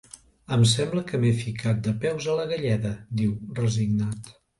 Em sembla que m'he ficat de peus a la galleda —diu, resignat.